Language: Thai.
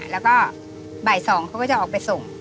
แล้วก็บ่าย๒เขาก็จะออกไปส่ง